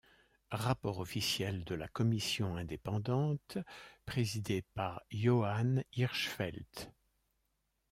Rapport officiel de la commission indépendante présidée par Johan Hirschfeldt.